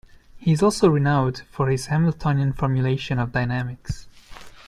He is also renowned for his Hamiltonian formulation of dynamics.